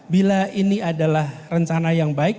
bila ini adalah rencana yang baik